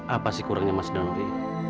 apa sih kurangnya mas dandi